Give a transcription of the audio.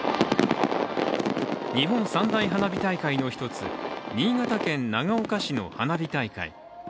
日本三大花火大会の１つ、新潟県長岡市の花火大会。